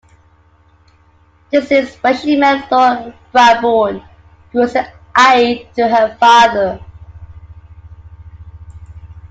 This is where she met Lord Brabourne, who was an aide to her father.